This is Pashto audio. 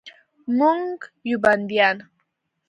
موږ یو بندیان